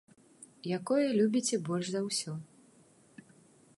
Якое любіце больш за ўсё?